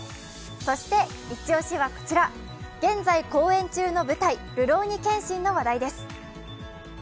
そしてイチ押しは現在公演中の舞台「るろうに剣心」の話題です。